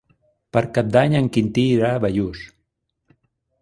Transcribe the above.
Per Cap d'Any en Quintí irà a Bellús.